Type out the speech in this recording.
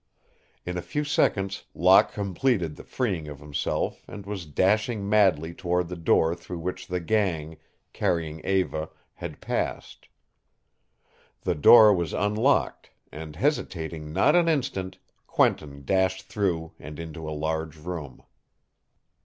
In a few seconds Locke completed the freeing of himself and was dashing madly toward the door through which the gang, carrying Eva, had passed. The door was unlocked, and, hesitating not an instant, Quentin dashed through and into a large room.